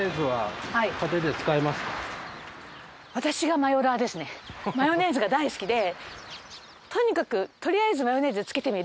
マヨネーズが大好きでとりあえずマヨネーズつけてみる？